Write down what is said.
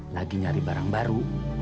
lagi nyari barang baru